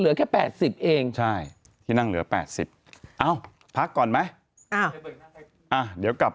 เหลือแค่๘๐เองใช่ที่นั่งเหลือ๘๐เอ้าพักก่อนไหมเดี๋ยวกลับ